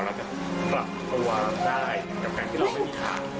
เราจะปรับตัวได้กับการที่เราไม่มีทาง